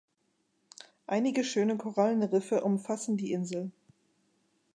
Einige schöne Korallenriffe umfassen die Insel.